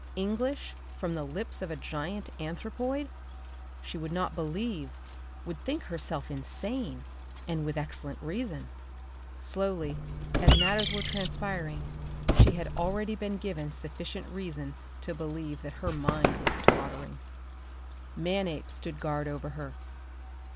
English from the lips of a giant anthropoid! She would not believe, would think herself insane and with excellent reason. Slowly, as matters were transpiring, she had already been given sufficient reason to believe that her mind was tottering. Manape stood guard over her.